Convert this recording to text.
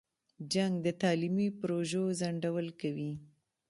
جنګ د تعلیمي پروژو ځنډول کوي.